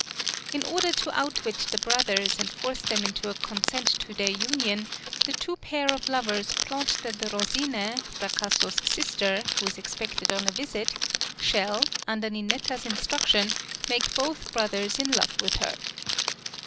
In order to outwit the brothers and force them into a consent to their union, the two pair of lovers plot that Rosine, Fracasso's sister, who is expected on a visit, shall, under Ninetta's instruction, make both brothers in love with her.